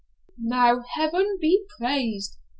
'Now, Heaven be praised!'